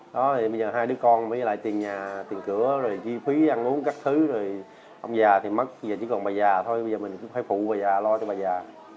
đó bây giờ hai đứa con với lại tiền nhà tiền cửa rồi chi phí ăn uống các thứ rồi ông già thì mất bây giờ chỉ còn bà già thôi bây giờ mình cũng phải phụ bà già lo cho bà già